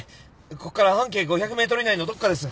ここから半径５００ｍ以内のどこかです。